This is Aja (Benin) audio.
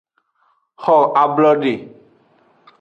Xo ablode.